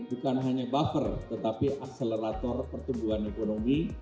bukan hanya buffer tetapi akselerator pertumbuhan ekonomi